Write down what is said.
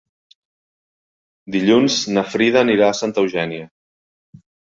Dilluns na Frida anirà a Santa Eugènia.